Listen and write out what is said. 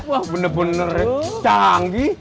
wah bener bener canggih